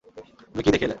তুমি কী দেখে এলে?